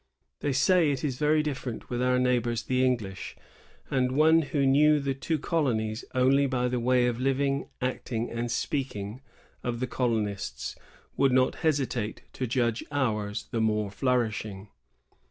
my say it is veiy different with our neighbors the English; and one who knew the two colonies only by the way of living, acting, and speaking of the colonists would not hesitate to judge ours the more flourishing.